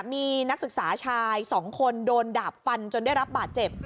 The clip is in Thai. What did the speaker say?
มีนักศึกษาชาย๒คนโดนดาบฟันจนได้รับบาดเจ็บ